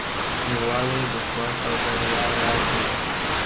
یووالی د قوت او بریا راز دی.